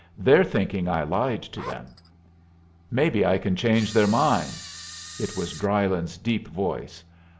They're thinking I lied to them." "Maybe I can change their minds." It was Drylyn's deep voice.